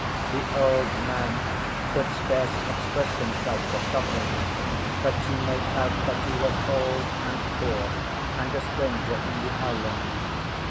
The old man could scarce express himself for coughing, but she made out that he was old and poor, and a stranger in the island.